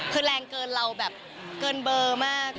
คือแรงเกินเราแบบเกินเบอร์มาก